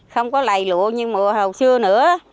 không có lầy lụa như mùa hầu xưa nữa